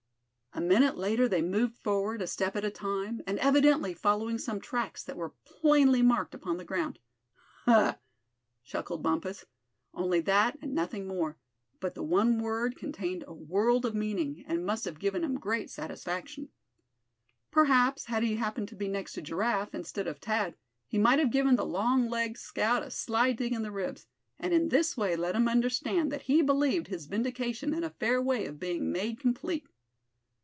A minute later they moved forward, a step at a time, and evidently following some tracks that were plainly marked upon the ground. "Huh!" chuckled Bumpus; only that and nothing more; but the one word contained a world of meaning, and must have given him great satisfaction. Perhaps, had he happened to be next to Giraffe, instead of Thad, he might have given the long legged scout a sly dig in the ribs, and in this way let him understand that he believed his vindication in a fair way of being made complete.